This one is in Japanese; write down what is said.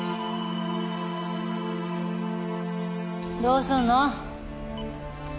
どうするの？